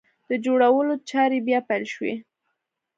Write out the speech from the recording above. د جوړولو چارې بیا پیل شوې!